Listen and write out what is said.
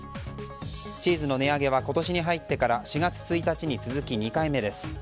チーズの値上げは今年に入ってから４月１日に続き２回目です。